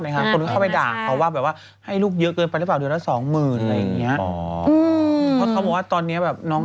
ไม่ค่ะตอนนี้เขาให้รายเงินให้ตอนเรียน